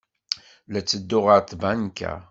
La ttedduɣ ɣer tbanka.